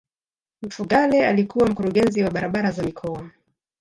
mfugale alikuwa mkurugenzi wa barabara za mikoa